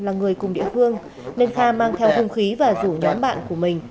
là người cùng địa phương nên kha mang theo hung khí và rủ nhóm bạn của mình